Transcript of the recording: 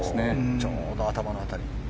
ちょうど頭の辺り。